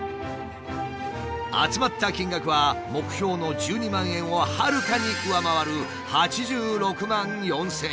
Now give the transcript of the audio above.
集まった金額は目標の１２万円をはるかに上回る８６万４，０００円。